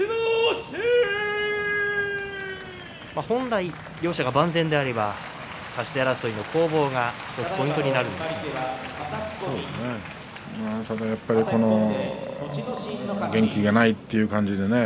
本来、両者が万全であれば差し手争いの攻防がやっぱり元気がないという感じでね